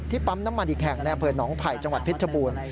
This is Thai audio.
ปั๊มน้ำมันอีกแห่งในอำเภอหนองไผ่จังหวัดเพชรบูรณ์